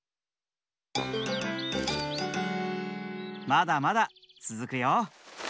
まだまだつづくよ。